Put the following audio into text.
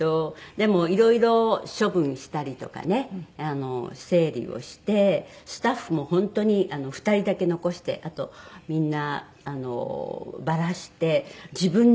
でもいろいろ処分したりとかね整理をしてスタッフも本当に２人だけ残してあとみんなばらして自分でなんでも。